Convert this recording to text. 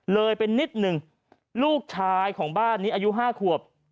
เลยเป็นนิดหนึ่งลูกชายของบ้านนี้อายุ๕ขวบ